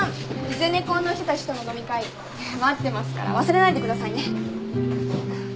ゼネコンの人たちとの飲み会待ってますから忘れないでくださいね。